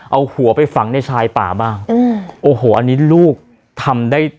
เอาหัวไปฝังในชายป่าบ้างอืมโอ้โหอันนี้ลูกทำได้